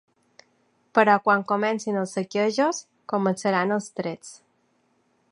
Però quan comencin els saquejos, començaran els trets.